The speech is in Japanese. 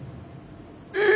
え！